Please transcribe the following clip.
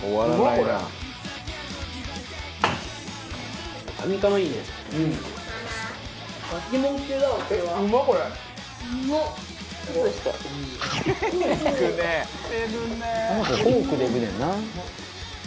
「この子フォークでいくねんな」